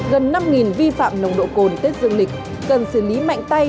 gần năm vi phạm nồng độ cồn tết dương lịch cần xử lý mạnh tay